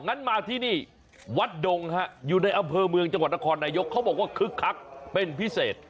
งั้นมาที่นี่วัดดงฮะอยู่ในอำเภอเมืองจังหวัดนครนายกเขาบอกว่าคึกคักเป็นพิเศษ